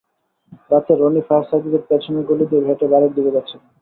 রাতে রনি ফায়ার সার্ভিসের পেছনের গলি দিয়ে হেঁটে বাড়ির দিকে যাচ্ছিলেন।